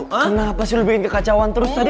kenapa sih udah bikin kekacauan terus tadi